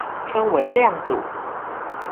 稱為亮度